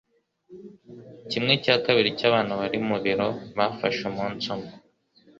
Kimwe cya kabiri cyabantu bari mu biro bafashe umunsi umwe.